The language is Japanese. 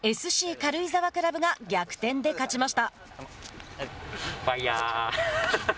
軽井沢クラブが逆転で勝ちました。